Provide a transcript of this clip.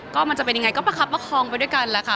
ก็มันจะเป็นยังไงก็ประคับประคองไปด้วยกันแหละค่ะ